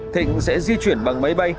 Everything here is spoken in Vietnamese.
thịnh sẽ di chuyển bằng máy bay